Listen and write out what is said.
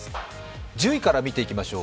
１０位から見ていきましょう。